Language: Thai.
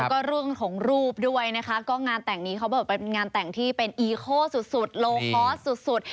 แล้วก็เรื่องของรูปด้วยนะคะก็งานแต่งนี้เขาบอกเป็นงานแต่งที่เป็นอีโคสุดโลคอร์สสุด